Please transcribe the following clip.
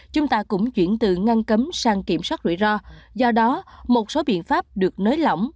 chúng ta cũng chuyển từ ngăn cấm sang kiểm soát rủi ro do đó một số biện pháp được nới lỏng